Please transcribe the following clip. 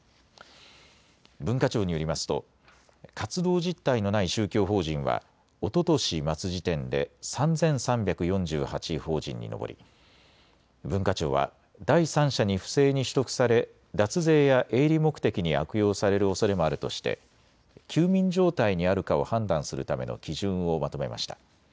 文化庁によりますと活動実態のない宗教法人はおととし末時点で３３４８法人に上り文化庁は第三者に不正に取得され脱税や営利目的に悪用されるおそれもあるとして休眠状態にあるかを判断するための基準をまとめました。